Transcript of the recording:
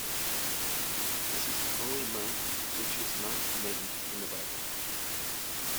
This is the only month which is not named in the Bible.